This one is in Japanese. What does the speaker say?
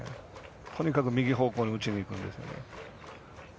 とにかく右方向に打ちにいく。